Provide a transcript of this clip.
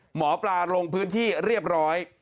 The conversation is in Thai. หมอปลาลงพื้นที่เรียบร้อย